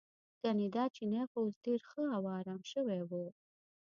ګنې دا چینی خو اوس ډېر ښه او ارام شوی و.